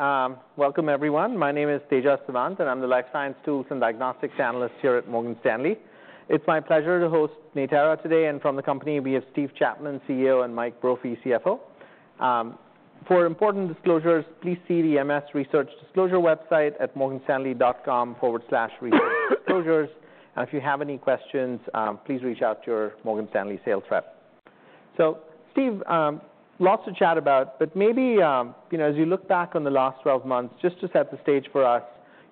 All right, welcome, everyone. My name is Tejas Savant, and I'm the life science tools and diagnostics analyst here at Morgan Stanley. It's my pleasure to host Natera today, and from the company, we have Steve Chapman, CEO, and Mike Brophy, CFO. For important disclosures, please see the MS Research Disclosure website at morganstanley.com/researchdisclosures. If you have any questions, please reach out to your Morgan Stanley sales rep. So, Steve, lots to chat about, but maybe, you know, as you look back on the last 12 months, just to set the stage for us,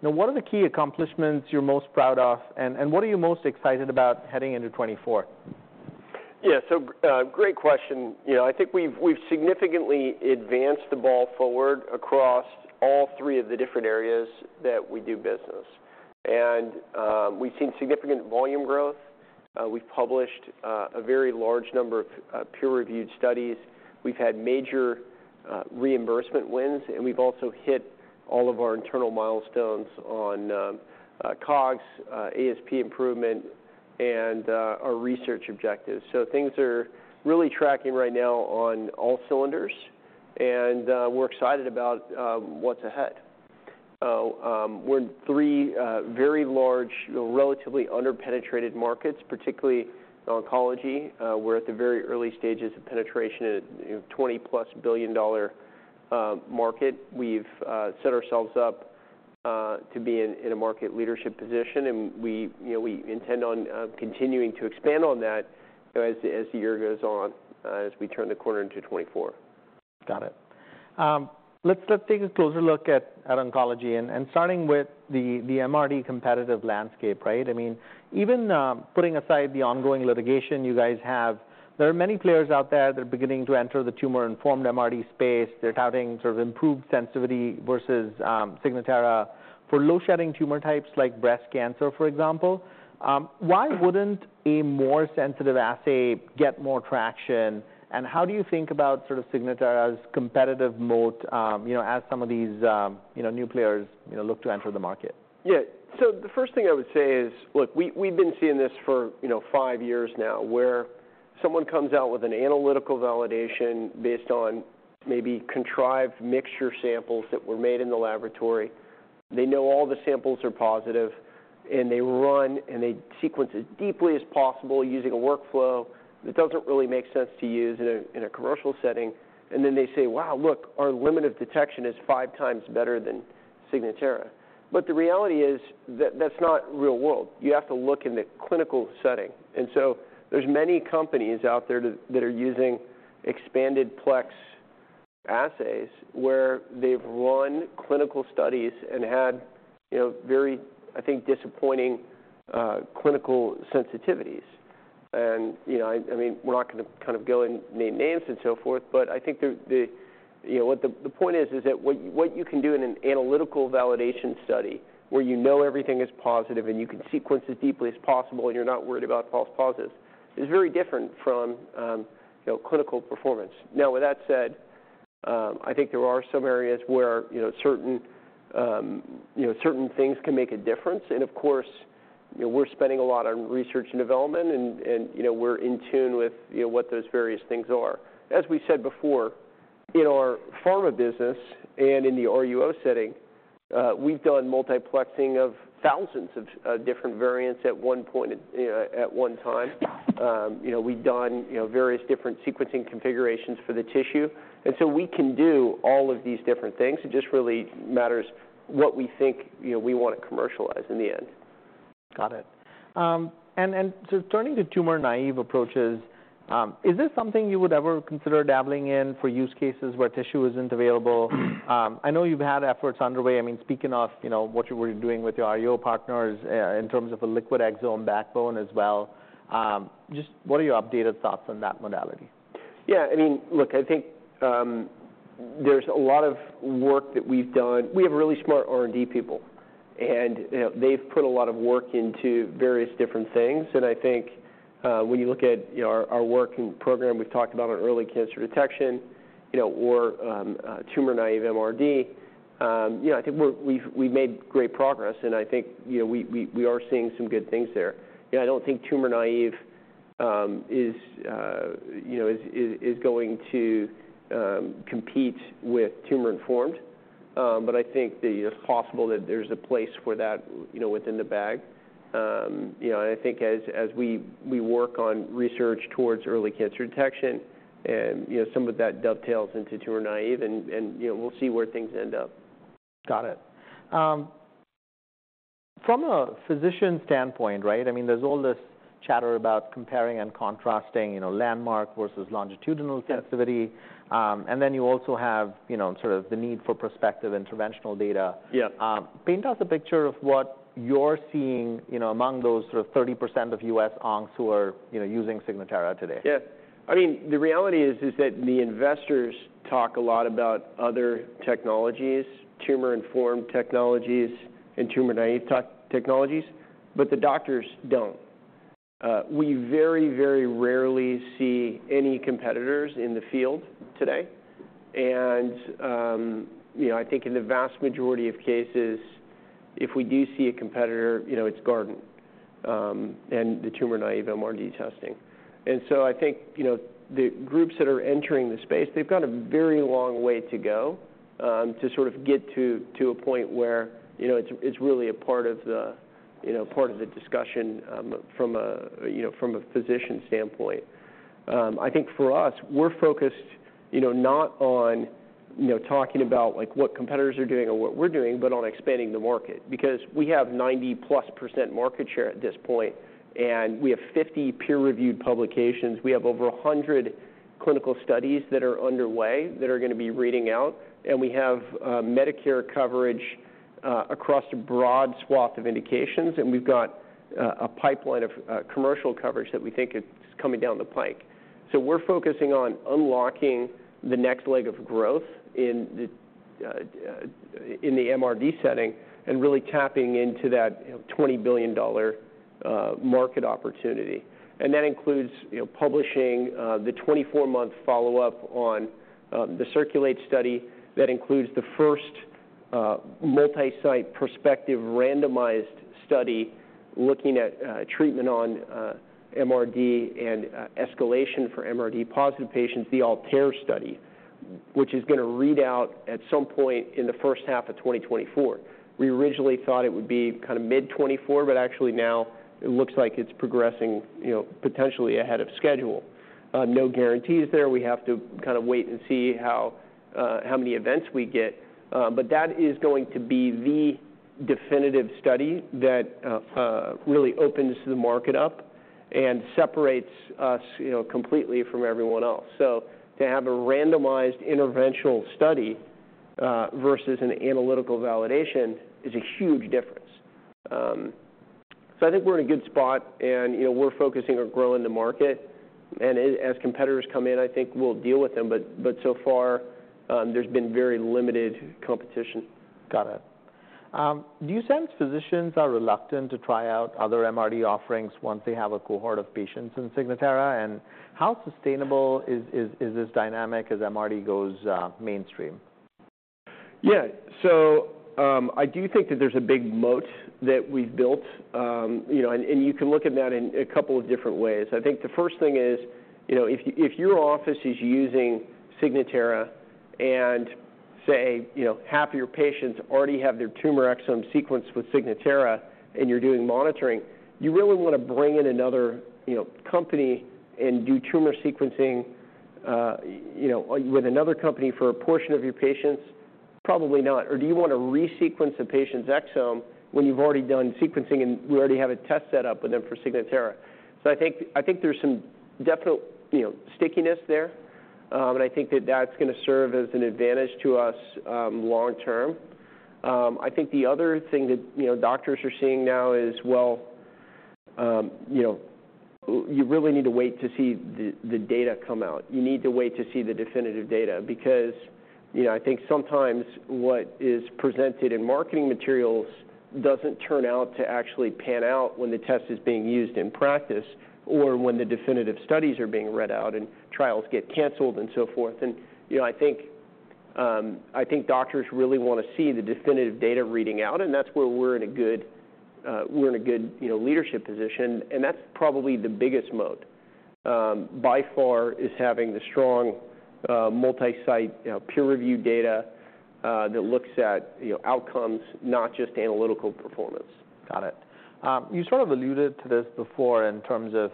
you know, what are the key accomplishments you're most proud of, and what are you most excited about heading into 2024? Yeah. So, great question. You know, I think we've significantly advanced the ball forward across all three of the different areas that we do business. We've seen significant volume growth. We've published a very large number of peer-reviewed studies. We've had major reimbursement wins, and we've also hit all of our internal milestones on COGS, ASP improvement, and our research objectives. So things are really tracking right now on all cylinders, and we're excited about what's ahead. So, we're in three very large, relatively under-penetrated markets, particularly oncology. We're at the very early stages of penetration in a, you know, $20 billion+ market. We've set ourselves up to be in a market leadership position, and we, you know, we intend on continuing to expand on that, you know, as the year goes on, as we turn the corner into 2024. Got it. Let's take a closer look at oncology and starting with the MRD competitive landscape, right? I mean, even putting aside the ongoing litigation you guys have, there are many players out there that are beginning to enter the tumor-informed MRD space. They're touting sort of improved sensitivity versus Signatera. For low shedding tumor types like breast cancer, for example, why wouldn't a more sensitive assay get more traction? And how do you think about sort of Signatera's competitive moat, you know, as some of these, you know, new players, you know, look to enter the market? Yeah. So the first thing I would say is, look, we've been seeing this for, you know, five years now, where someone comes out with an analytical validation based on maybe contrived mixture samples that were made in the laboratory. They know all the samples are positive, and they run, and they sequence as deeply as possible using a workflow that doesn't really make sense to use in a, in a commercial setting. And then they say, "Wow, look, our limit of detection is 5 times better than Signatera." But the reality is that that's not real world. You have to look in the clinical setting, and so there's many companies out there that, that are using expanded plex assays, where they've run clinical studies and had, you know, very, I think, disappointing clinical sensitivities. You know, I mean, we're not gonna kind of go and name names and so forth, but I think the point is that what you can do in an analytical validation study, where you know everything is positive and you can sequence as deeply as possible and you're not worried about false positives, is very different from, you know, clinical performance. Now, with that said, I think there are some areas where, you know, certain things can make a difference. Of course, you know, we're spending a lot on research and development, and, you know, we're in tune with, you know, what those various things are. As we said before, in our pharma business and in the RUO setting, we've done multiplexing of thousands of different variants at one point, at one time. You know, we've done, you know, various different sequencing configurations for the tissue, and so we can do all of these different things. It just really matters what we think, you know, we want to commercialize in the end. Got it. And then, so turning to tumor-naive approaches, is this something you would ever consider dabbling in for use cases where tissue isn't available? I know you've had efforts underway. I mean, speaking of, you know, what you were doing with your RUO partners, in terms of a liquid exome backbone as well, just what are your updated thoughts on that modality? Yeah, I mean, look, I think, there's a lot of work that we've done. We have really smart R&D people, and, you know, they've put a lot of work into various different things. And I think, when you look at, you know, our work and program, we've talked about on early cancer detection, you know, or, tumor-naive MRD, you know, I think we've made great progress, and I think, you know, we are seeing some good things there. You know, I don't think tumor-naive is, you know, is going to compete with tumor-informed, but I think that it's possible that there's a place for that, you know, within the bag. You know, and I think as we work on research towards early cancer detection and, you know, some of that dovetails into tumor-naive, and you know, we'll see where things end up. Got it. From a physician standpoint, right, I mean, there's all this chatter about comparing and contrasting, you know, landmark versus longitudinal- Yeah ... sensitivity. And then you also have, you know, sort of the need for prospective interventional data. Yeah. Paint us a picture of what you're seeing, you know, among those sort of 30% of US oncs who are, you know, using Signatera today. Yeah. I mean, the reality is, is that the investors talk a lot about other technologies, tumor-informed technologies and tumor-naive technologies, but the doctors don't. We very, very rarely see any competitors in the field today, and, you know, I think in the vast majority of cases, if we do see a competitor, you know, it's Guardant, and the tumor-naive MRD testing. And so I think, you know, the groups that are entering the space, they've got a very long way to go, to sort of get to, to a point where, you know, it's, it's really a part of the, you know, part of the discussion, from a, you know, from a physician standpoint. I think for us, we're focused, you know, not on, you know, talking about, like, what competitors are doing or what we're doing, but on expanding the market, because we have 90%+ market share at this point, and we have 50 peer-reviewed publications. We have over 100 clinical studies that are underway that are going to be reading out, and we have Medicare coverage across a broad swath of indications, and we've got a pipeline of commercial coverage that we think is coming down the pike. So we're focusing on unlocking the next leg of growth in the MRD setting and really tapping into that, you know, $20 billion market opportunity. And that includes, you know, publishing the 24-month follow-up on the CIRCULATE study. That includes the first, multi-site prospective randomized study looking at, treatment on, MRD and, escalation for MRD-positive patients, the ALTAIR study, which is going to read out at some point in the first half of 2024. We originally thought it would be kind of mid-2024, but actually, now it looks like it's progressing, you know, potentially ahead of schedule. No guarantees there. We have to kind of wait and see how, how many events we get, but that is going to be the definitive study that, really opens the market up and separates us, you know, completely from everyone else. So to have a randomized interventional study, versus an analytical validation is a huge difference. So I think we're in a good spot, and, you know, we're focusing on growing the market, and as competitors come in, I think we'll deal with them. But so far, there's been very limited competition. Got it. Do you sense physicians are reluctant to try out other MRD offerings once they have a cohort of patients in Signatera? And how sustainable is this dynamic as MRD goes mainstream? Yeah. So, I do think that there's a big moat that we've built, you know, and you can look at that in a couple of different ways. I think the first thing is, you know, if your office is using Signatera and say, you know, half of your patients already have their tumor exome sequenced with Signatera, and you're doing monitoring, you really want to bring in another, you know, company and do tumor sequencing, you know, with another company for a portion of your patients? Probably not. Or do you want to resequence a patient's exome when you've already done sequencing, and you already have a test set up with them for Signatera? So I think there's some definite, you know, stickiness there, and I think that that's going to serve as an advantage to us, long term. I think the other thing that, you know, doctors are seeing now is, well, you know, you really need to wait to see the data come out. You need to wait to see the definitive data because, you know, I think sometimes what is presented in marketing materials doesn't turn out to actually pan out when the test is being used in practice or when the definitive studies are being read out and trials get canceled and so forth. And, you know, I think doctors really want to see the definitive data reading out, and that's where we're in a good, you know, leadership position, and that's probably the biggest moat, by far, is having the strong, multi-site, you know, peer-reviewed data, that looks at, you know, outcomes, not just analytical performance. Got it. You sort of alluded to this before in terms of,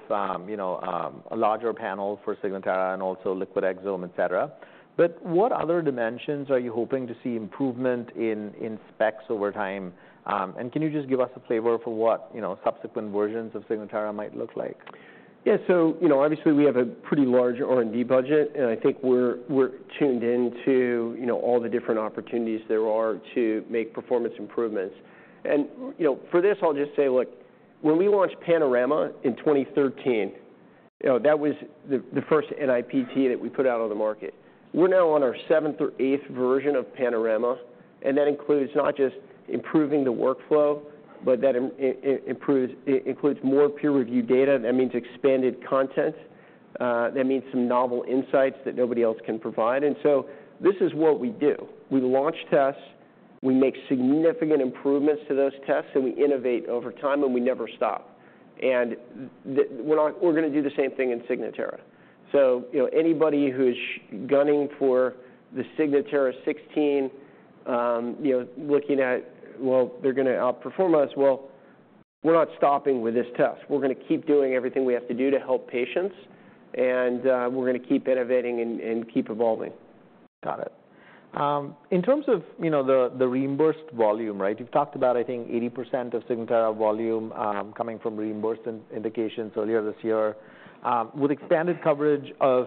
you know, a larger panel for Signatera and also liquid exome, et cetera. But what other dimensions are you hoping to see improvement in, in specs over time? And can you just give us a flavor for what, you know, subsequent versions of Signatera might look like? Yeah. So, you know, obviously, we have a pretty large R&D budget, and I think we're tuned into, you know, all the different opportunities there are to make performance improvements. And, you know, for this, I'll just say, look, when we launched Panorama in 2013, you know, that was the first NIPT that we put out on the market. We're now on our seventh or eighth version of Panorama, and that includes not just improving the workflow, but that includes, it includes more peer-reviewed data. That means expanded content, that means some novel insights that nobody else can provide. And so this is what we do. We launch tests, we make significant improvements to those tests, and we innovate over time, and we never stop. And we're going to do the same thing in Signatera. You know, anybody who's gunning for the Signatera 16, you know, looking at, well, they're going to outperform us. Well, we're not stopping with this test. We're going to keep doing everything we have to do to help patients, and we're going to keep innovating and keep evolving. Got it. In terms of, you know, the reimbursed volume, right? You've talked about, I think, 80% of Signatera volume coming from reimbursed indications earlier this year. With expanded coverage of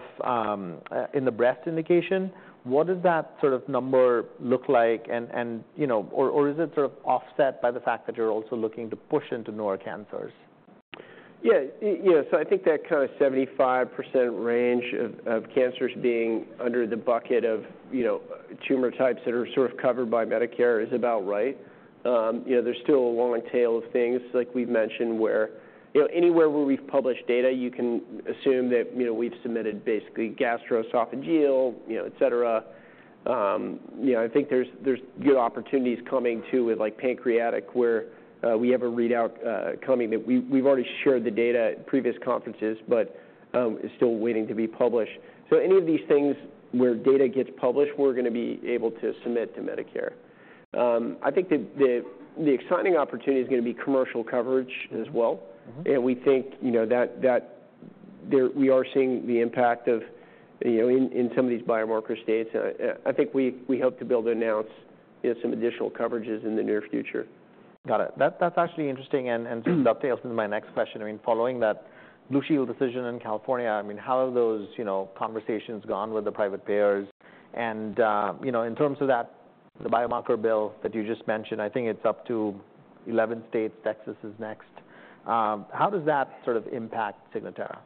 in the breast indication, what does that sort of number look like? And, you know, or is it sort of offset by the fact that you're also looking to push into more cancers? Yeah. Yeah, so I think that kind of 75% range of cancers being under the bucket of, you know, tumor types that are sort of covered by Medicare is about right. You know, there's still a long tail of things like we've mentioned, where, you know, anywhere where we've published data, you can assume that, you know, we've submitted basically gastroesophageal, you know, et cetera. You know, I think there's good opportunities coming, too, with, like, pancreatic, where we have a readout coming, that we've already shared the data at previous conferences, but it's still waiting to be published. So any of these things where data gets published, we're gonna be able to submit to Medicare. I think the exciting opportunity is gonna be commercial coverage as well. Mm-hmm. We think, you know, that we are seeing the impact of, you know, in some of these biomarker states. I think we hope to be able to announce some additional coverages in the near future. Got it. That's, that's actually interesting and, and dovetails into my next question. I mean, following that Blue Shield of California, I mean, how have those, you know, conversations gone with the private payers? And, you know, in terms of that, the biomarker bill that you just mentioned, I think it's up to 11 states. Texas is next. How does that sort of impact Signatera?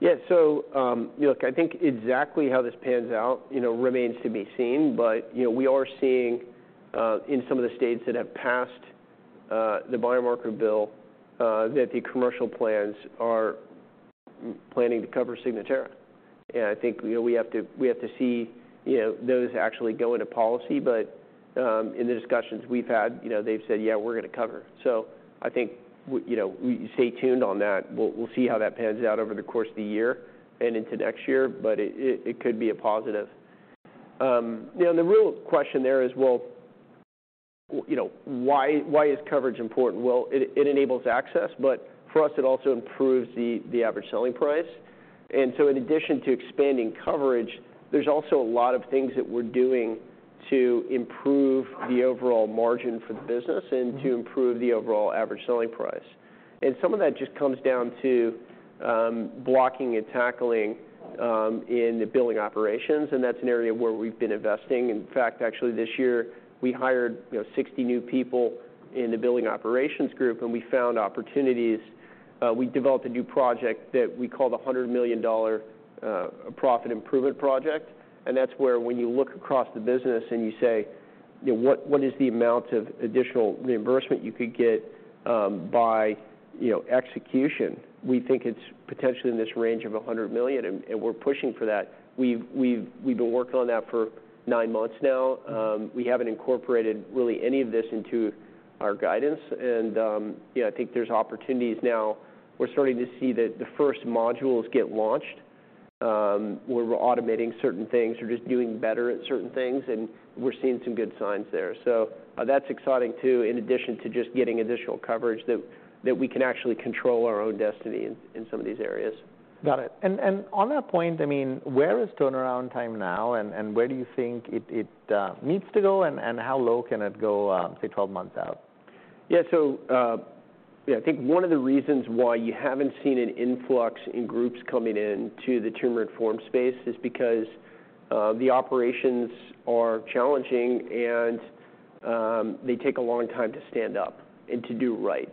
Yeah. So, look, I think exactly how this pans out, you know, remains to be seen. But, you know, we are seeing in some of the states that have passed the biomarker bill that the commercial plans are planning to cover Signatera. And I think, you know, we have to, we have to see, you know, those actually go into policy. But in the discussions we've had, you know, they've said, "Yeah, we're gonna cover it." So I think you know, stay tuned on that. We'll, we'll see how that pans out over the course of the year and into next year, but it, it could be a positive. You know, and the real question there is, well, you know, why, why is coverage important? Well, it, it enables access, but for us, it also improves the, the average selling price. In addition to expanding coverage, there's also a lot of things that we're doing to improve the overall margin for the business- Mm-hmm... and to improve the overall average selling price. Some of that just comes down to blocking and tackling in the billing operations, and that's an area where we've been investing. In fact, actually this year, we hired, you know, 60 new people in the billing operations group, and we found opportunities. We developed a new project that we call the $100 million Profit Improvement Project, and that's where when you look across the business and you say, "You know, what is the amount of additional reimbursement you could get by, you know, execution?" We think it's potentially in this range of $100 million, and we're pushing for that. We've been working on that for nine months now. Mm-hmm. We haven't incorporated really any of this into our guidance. Yeah, I think there's opportunities now. We're starting to see the first modules get launched, where we're automating certain things or just doing better at certain things, and we're seeing some good signs there. That's exciting, too, in addition to just getting additional coverage that we can actually control our own destiny in some of these areas. Got it. And on that point, I mean, where is turnaround time now, and where do you think it needs to go, and how low can it go, say, 12 months out? Yeah. Yeah, I think one of the reasons why you haven't seen an influx in groups coming in to the tumor-informed space is because the operations are challenging and they take a long time to stand up and to do right.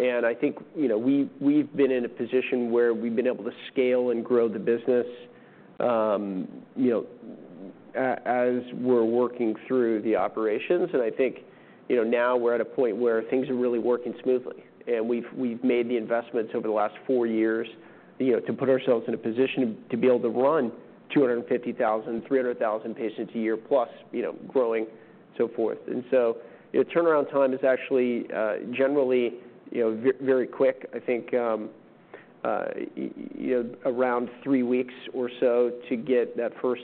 And I think, you know, we've been in a position where we've been able to scale and grow the business, you know, as we're working through the operations. And I think, you know, now we're at a point where things are really working smoothly, and we've made the investments over the last four years, you know, to put ourselves in a position to be able to run 250,000, 300,000 patients a year plus, you know, growing, so forth. And so the turnaround time is actually generally, you know, very quick. I think, you know, around three weeks or so to get that first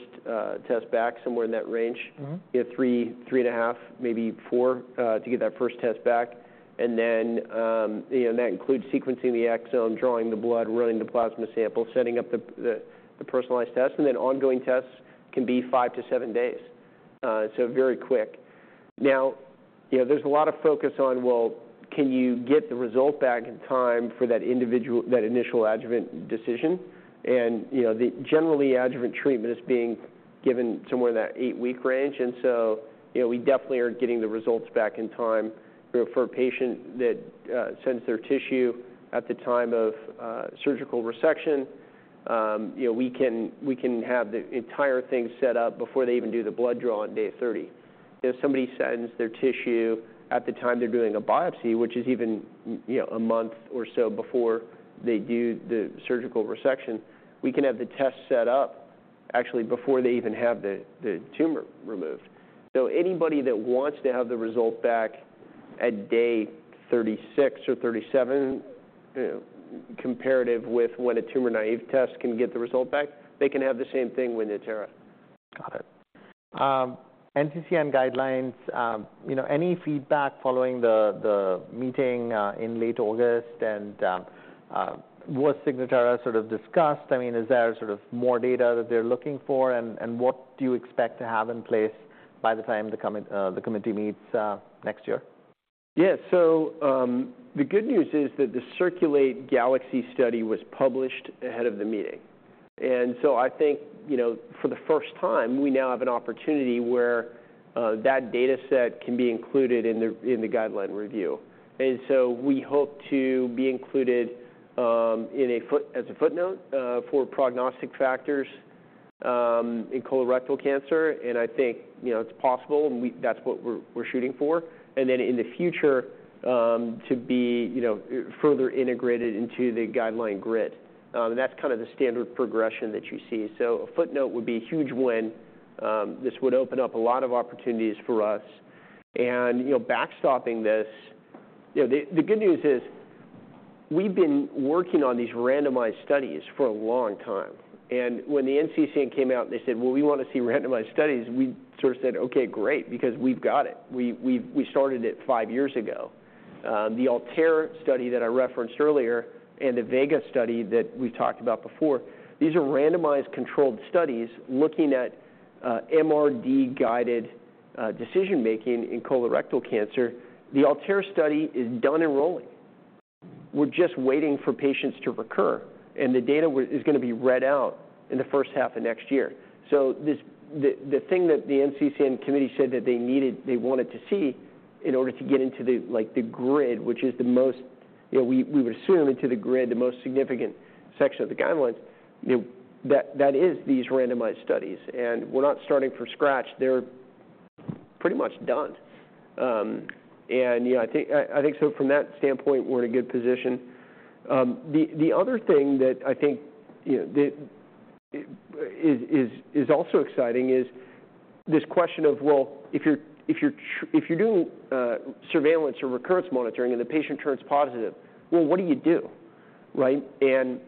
test back, somewhere in that range. Mm-hmm. You know, 3, 3.5, maybe 4, to get that first test back. And then, you know, and that includes sequencing the exome, drawing the blood, running the plasma sample, setting up the personalized test, and then ongoing tests can be five to seven days, so very quick. Now, you know, there's a lot of focus on, well, can you get the result back in time for that individual, that initial adjuvant decision? And, you know, the generally adjuvant treatment is being given somewhere in that eight-week range, and so, you know, we definitely are getting the results back in time. You know, for a patient that sends their tissue at the time of surgical resection, you know, we can, we can have the entire thing set up before they even do the blood draw on day 30. If somebody sends their tissue at the time they're doing a biopsy, which is even, you know, a month or so before they do the surgical resection, we can have the test set up actually before they even have the tumor removed. So anybody that wants to have the result back at day 36 or 37, comparative with when a tumor-naive test can get the result back, they can have the same thing with Natera. Got it. NCCN guidelines, you know, any feedback following the, the meeting, in late August, and, was Signatera sort of discussed? I mean, is there sort of more data that they're looking for, and, and what do you expect to have in place by the time the committee meets, next year? Yeah. So, the good news is that the CIRCULATE-GALAXY study was published ahead of the meeting. And so I think, you know, for the first time, we now have an opportunity where that data set can be included in the guideline review. And so we hope to be included in a footnote for prognostic factors in colorectal cancer, and I think, you know, it's possible, and that's what we're shooting for. And then in the future to be, you know, further integrated into the guideline grid. That's kind of the standard progression that you see. So a footnote would be a huge win. This would open up a lot of opportunities for us. And, you know, backstopping this-... Yeah, the good news is, we've been working on these randomized studies for a long time, and when the NCCN came out and they said: "Well, we wanna see randomized studies," we sort of said, "Okay, great, because we've got it." We started it five years ago. The ALTAIR study that I referenced earlier and the VEGA study that we talked about before, these are randomized controlled studies looking at MRD-guided decision-making in colorectal cancer. The ALTAIR study is done enrolling. We're just waiting for patients to recur, and the data will is gonna be read out in the first half of next year. So this, the thing that the NCCN committee said that they needed, they wanted to see in order to get into the, like, the grid, which is the most... You know, we would assume into the grid, the most significant section of the guidelines, you know, that is these randomized studies, and we're not starting from scratch. They're pretty much done. And, you know, I think so from that standpoint, we're in a good position. The other thing that I think, you know, is also exciting is this question of, well, if you're doing surveillance or recurrence monitoring and the patient turns positive, well, what do you do, right? And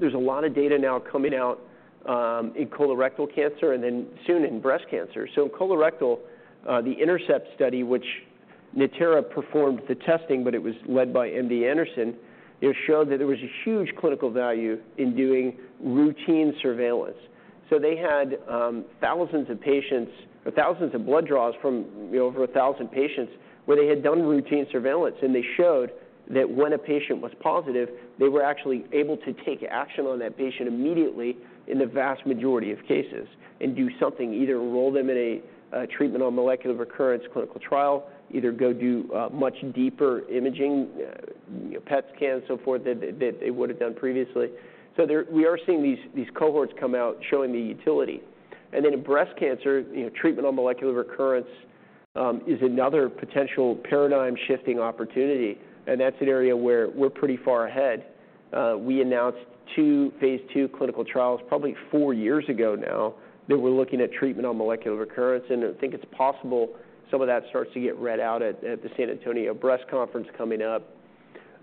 there's a lot of data now coming out in colorectal cancer and then soon in breast cancer. So in colorectal, the INTERCEPT study, which Natera performed the testing, but it was led by MD Anderson, it showed that there was a huge clinical value in doing routine surveillance. So they had thousands of patients or thousands of blood draws from, you know, over 1,000 patients, where they had done routine surveillance, and they showed that when a patient was positive, they were actually able to take action on that patient immediately in the vast majority of cases and do something, either enroll them in a treatment or molecular recurrence clinical trial, either go do much deeper imaging, you know, PET scan, so forth, that they would have done previously. So there we are seeing these cohorts come out showing the utility. And then in breast cancer, you know, treatment on molecular recurrence is another potential paradigm-shifting opportunity, and that's an area where we're pretty far ahead. We announced two phase II clinical trials, probably 4 years ago now, that we're looking at treatment on molecular recurrence, and I think it's possible some of that starts to get read out at the San Antonio Breast Cancer Symposium coming up.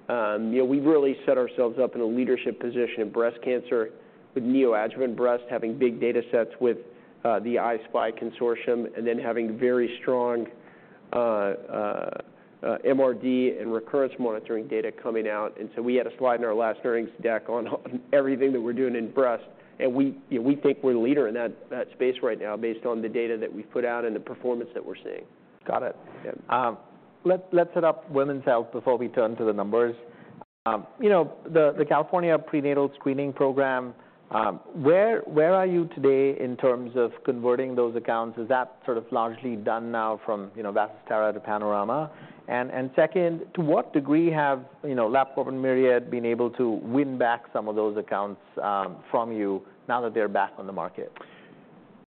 You know, we've really set ourselves up in a leadership position in breast cancer with neoadjuvant breast, having big data sets with the I-SPY Consortium, and then having very strong MRD and recurrence monitoring data coming out. And so we had a slide in our last earnings deck on everything that we're doing in breast, and we, you know, we think we're the leader in that space right now, based on the data that we've put out and the performance that we're seeing. Got it. Yeah. Let's hit up women's health before we turn to the numbers. You know, the California Prenatal Screening Program, where are you today in terms of converting those accounts? Is that sort of largely done now from Vistara to Panorama? And second, to what degree have LabCorp and Myriad been able to win back some of those accounts from you now that they're back on the market?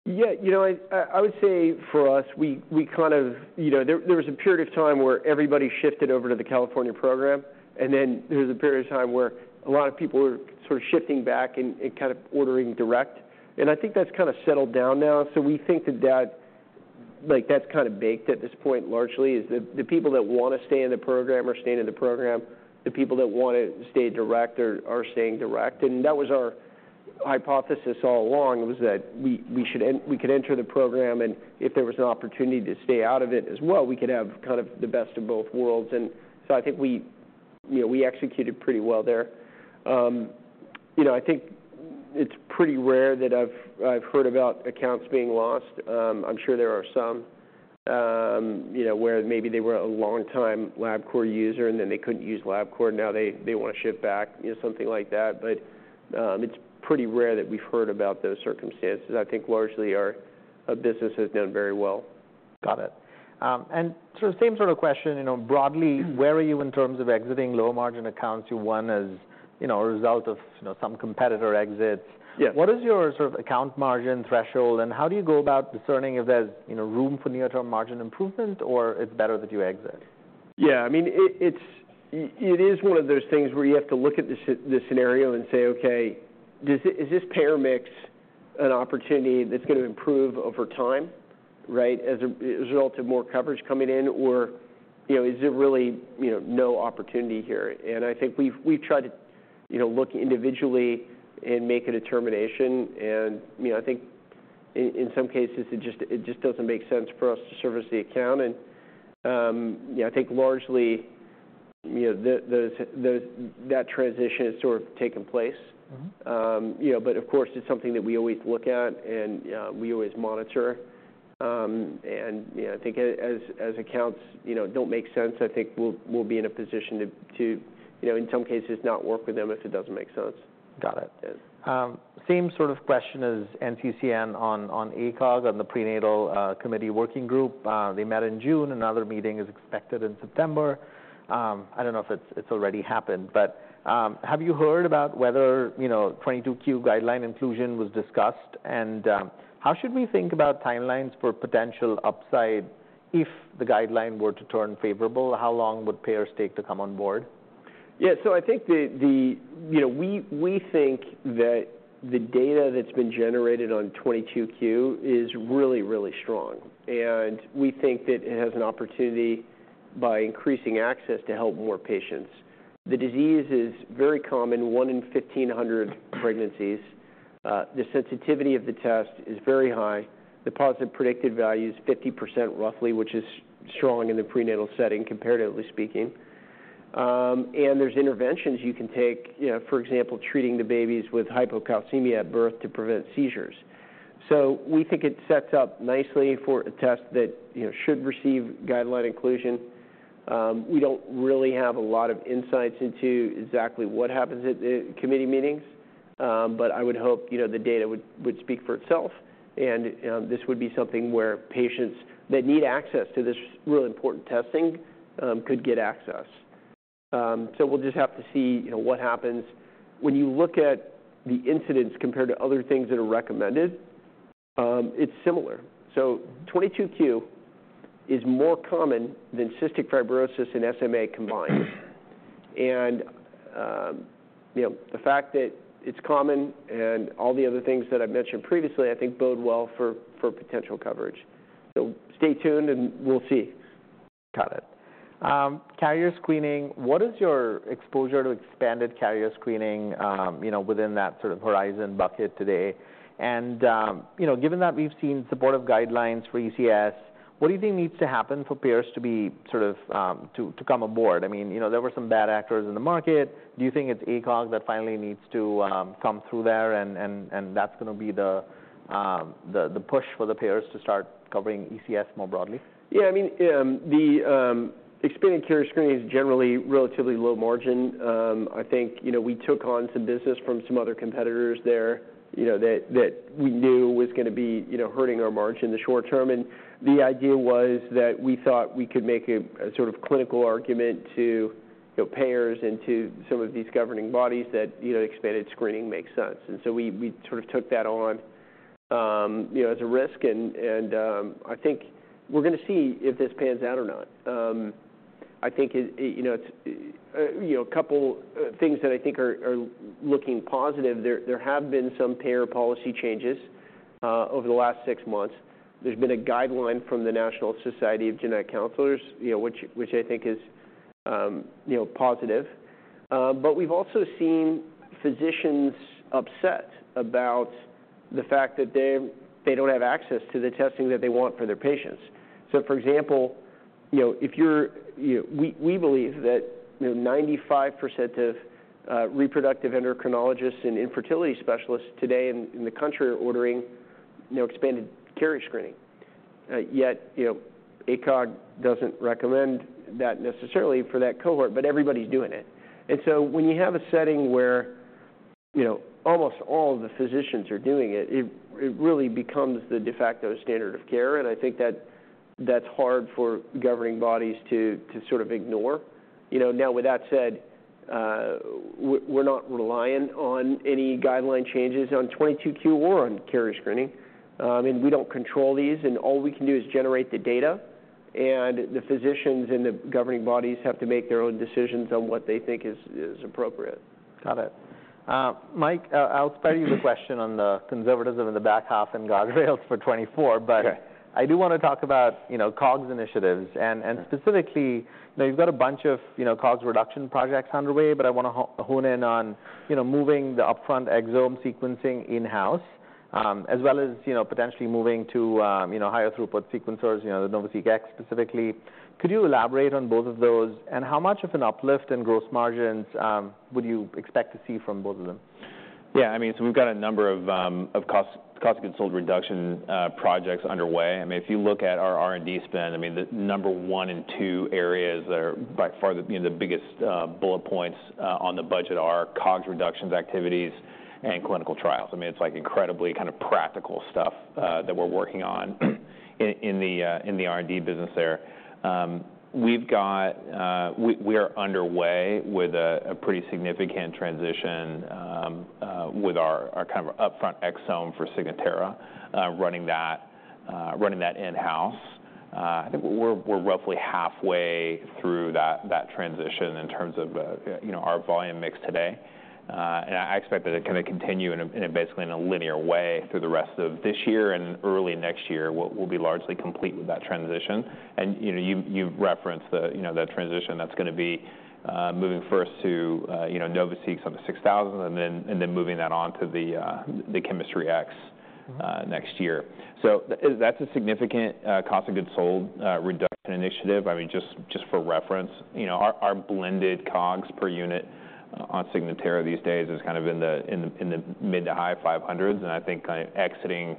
Yeah, you know, I would say for us, we kind of... You know, there was a period of time where everybody shifted over to the California program, and then there was a period of time where a lot of people were sort of shifting back and kind of ordering direct, and I think that's kind of settled down now. So we think that, like, that's kind of baked at this point, largely, is the people that wanna stay in the program are staying in the program. The people that wanna stay direct are staying direct. And that was our hypothesis all along, was that we could enter the program, and if there was an opportunity to stay out of it as well, we could have kind of the best of both worlds. So I think we, you know, we executed pretty well there. You know, I think it's pretty rare that I've heard about accounts being lost. I'm sure there are some, you know, where maybe they were a longtime LabCorp user, and then they couldn't use LabCorp. Now they wanna shift back, you know, something like that. It's pretty rare that we've heard about those circumstances. I think largely our business has done very well. Got it. And so same sort of question, you know, broadly, where are you in terms of exiting low-margin accounts you won, as, you know, a result of, you know, some competitor exits? Yeah. What is your sort of account margin threshold, and how do you go about discerning if there's, you know, room for near-term margin improvement or it's better that you exit? Yeah, I mean, it is one of those things where you have to look at the scenario and say, "Okay, is this payer mix an opportunity that's gonna improve over time, right, as a result of more coverage coming in? Or, you know, is there really no opportunity here?" And I think we've tried to look individually and make a determination, and, you know, I think in some cases, it just doesn't make sense for us to service the account. And yeah, I think largely, you know, those, that transition has sort of taken place. Mm-hmm. You know, but of course, it's something that we always look at, and we always monitor. You know, I think as accounts don't make sense, I think we'll be in a position to, you know, in some cases, not work with them if it doesn't make sense. Got it. Yeah. Same sort of question as NCCN on, on ACOG, on the prenatal, committee working group. They met in June. Another meeting is expected in September. I don't know if it's already happened, but, have you heard about whether, you know, 22q guideline inclusion was discussed? And, how should we think about timelines for potential upside if the guideline were to turn favorable? How long would payers take to come on board? ... Yeah, so I think you know, we think that the data that's been generated on 22q is really, really strong, and we think that it has an opportunity, by increasing access, to help more patients. The disease is very common, one in 1,500 pregnancies. The sensitivity of the test is very high. The positive predicted value is 50% roughly, which is strong in the prenatal setting, comparatively speaking. And there's interventions you can take, you know, for example, treating the babies with hypocalcemia at birth to prevent seizures. So we think it sets up nicely for a test that, you know, should receive guideline inclusion. We don't really have a lot of insights into exactly what happens at the committee meetings, but I would hope, you know, the data would speak for itself, and this would be something where patients that need access to this really important testing could get access. So we'll just have to see, you know, what happens. When you look at the incidence compared to other things that are recommended, it's similar. So 22q is more common than cystic fibrosis and SMA combined. And, you know, the fact that it's common and all the other things that I've mentioned previously, I think bode well for potential coverage. So stay tuned, and we'll see. Got it. Carrier screening, what is your exposure to expanded carrier screening, you know, within that sort of Horizon bucket today? And, you know, given that we've seen supportive guidelines for ECS, what do you think needs to happen for payers to be sort of, to, to come aboard? I mean, you know, there were some bad actors in the market. Do you think it's ACOG that finally needs to, come through there, and, and, and that's gonna be the, the, the push for the payers to start covering ECS more broadly? Yeah, I mean, the expanded carrier screening is generally relatively low margin. I think, you know, we took on some business from some other competitors there, you know, that we knew was gonna be, you know, hurting our margin in the short term. And the idea was that we thought we could make a sort of clinical argument to, you know, payers into some of these governing bodies that, you know, expanded screening makes sense, and so we sort of took that on, you know, as a risk. And I think we're gonna see if this pans out or not. I think it... You know, it's a couple things that I think are looking positive, there have been some payer policy changes over the last six months. There's been a guideline from the National Society of Genetic Counselors, you know, which I think is, you know, positive. But we've also seen physicians upset about the fact that they don't have access to the testing that they want for their patients. So, for example, you know, we believe that, you know, 95% of reproductive endocrinologists and infertility specialists today in the country are ordering, you know, expanded carrier screening. Yet, you know, ACOG doesn't recommend that necessarily for that cohort, but everybody's doing it. And so when you have a setting where, you know, almost all the physicians are doing it, it really becomes the de facto standard of care, and I think that that's hard for governing bodies to sort of ignore. You know, now, with that said, we're, we're not reliant on any guideline changes on 22q or on carrier screening. And we don't control these, and all we can do is generate the data, and the physicians and the governing bodies have to make their own decisions on what they think is, is appropriate. Got it. Mike, I'll spare you the question on the conservatism in the back half and guardrails for 2024. Okay. I do wanna talk about, you know, COGS initiatives. Mm-hmm. Specifically, now you've got a bunch of, you know, COGS reduction projects underway, but I wanna hone in on, you know, moving the upfront exome sequencing in-house, as well as, you know, potentially moving to, you know, higher-throughput sequencers, you know, the NovaSeq X specifically. Could you elaborate on both of those, and how much of an uplift in gross margins would you expect to see from both of them? Yeah, I mean, so we've got a number of cost of goods sold reduction projects underway. I mean, if you look at our R&D spend, I mean, the number one and two areas are by far the, you know, the biggest bullet points on the budget are COGS reduction activities and clinical trials. I mean, it's, like, incredibly kind of practical stuff that we're working on in the R&D business there. We've got... We are underway with a pretty significant transition with our kind of upfront exome for Signatera, running that in-house. I think we're roughly halfway through that transition in terms of, you know, our volume mix today. I expect that it kind of continue in a basically linear way through the rest of this year and early next year. We'll be largely complete with that transition. You know, you've referenced the, you know, the transition that's gonna be moving first to, you know, NovaSeq 6000 and then moving that on to the NovaSeq X- Mm-hmm... next year. So that, that's a significant cost of goods sold reduction initiative. I mean, just, just for reference, you know, our, our blended COGS per unit on Signatera these days is kind of in the, in the, in the mid- to high $500s, and I think kind of exiting,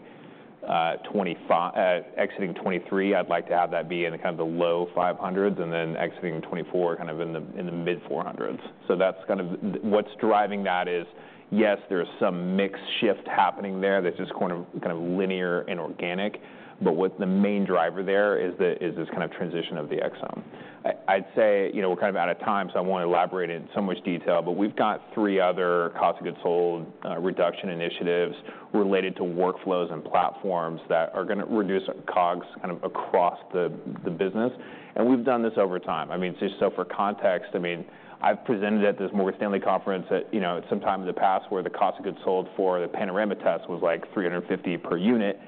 exiting 2023, I'd like to have that be in a kind of the low $500s, and then exiting 2024, kind of in the, in the mid-$400s. So that's kind of... What's driving that is, yes, there's some mix shift happening there that's just kind of, kind of linear and organic, but what the main driver there is the- is this kind of transition of the exome. I'd say, you know, we're kind of out of time, so I won't elaborate in so much detail, but we've got three other cost of goods sold reduction initiatives related to workflows and platforms that are gonna reduce COGS kind of across the business, and we've done this over time. I mean, so for context, I mean, I've presented at this Morgan Stanley conference at, you know, some time in the past, where the cost of goods sold for the Panorama test was like $350 per unit,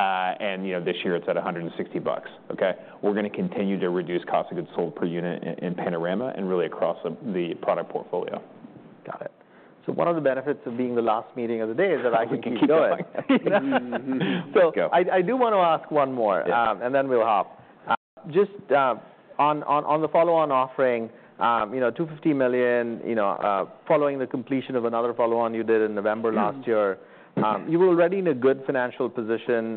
and you know, this year it's at $160 bucks, okay? We're gonna continue to reduce cost of goods sold per unit in Panorama and really across the product portfolio. Got it. So one of the benefits of being the last meeting of the day is that I can keep going. Let's go. I do wanna ask one more- Yeah. And then we'll hop. Just on the follow-on offering, you know, $250 million, you know, following the completion of another follow-on you did in November last year- Mm-hmm. You were already in a good financial position,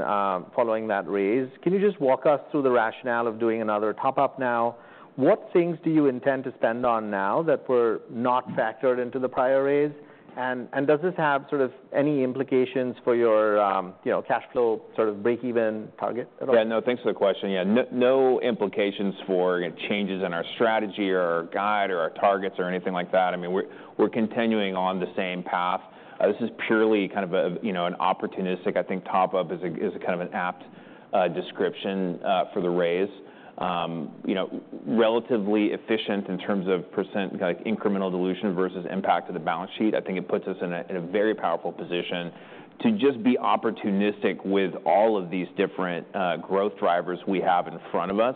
following that raise. Can you just walk us through the rationale of doing another top-up now? What things do you intend to spend on now that were not factored into the prior raise? And does this have sort of any implications for your, you know, cash flow, sort of, break-even target at all? Yeah, no, thanks for the question. Yeah, no, no implications for changes in our strategy or our guide or our targets or anything like that. I mean, we're, we're continuing on the same path. This is purely kind of a, you know, an opportunistic, I think top-up is a, is a kind of an apt description for the raise. You know, relatively efficient in terms of percent, like, incremental dilution versus impact to the balance sheet. I think it puts us in a, in a very powerful position to just be opportunistic with all of these different growth drivers we have in front of us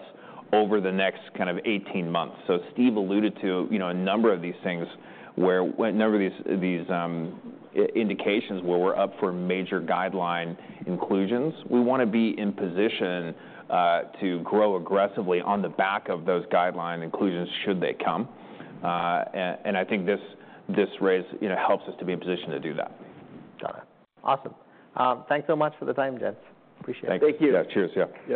over the next kind of 18 months. So Steve alluded to, you know, a number of these things where a number of these indications where we're up for major guideline inclusions. We wanna be in position to grow aggressively on the back of those guideline inclusions should they come. And I think this, this raise, you know, helps us to be in position to do that. Got it. Awesome. Thanks so much for the time, gents. Appreciate it. Thank you. Thank you. Yeah. Cheers. Yeah.